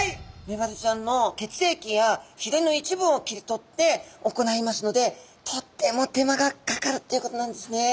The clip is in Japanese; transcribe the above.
メバルちゃんの血液やひれの一部を切り取って行いますのでとっても手間がかかるっていうことなんですね。